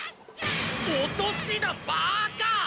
「落とし」だバーカ！